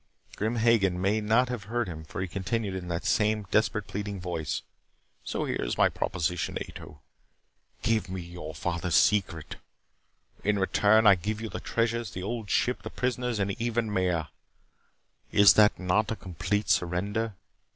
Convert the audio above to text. Grim Hagen may not have heard him for he continued in that same desperate, pleading voice. "So here is my proposition, Ato. Give me your father's secret. In return, I give you the treasures, the Old Ship, the prisoners, and even Maya. Is not that complete surrender?"